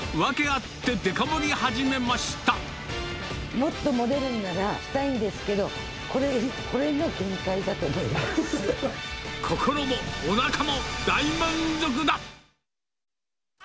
もっと盛れるんなら、やりたいんですけど、これが限界だと思心もおなかも大満足だ。